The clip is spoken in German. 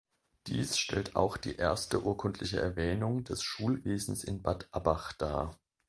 Dies stellt auch die erste urkundliche Erwähnung des Schulwesens in Bad Abbach dar.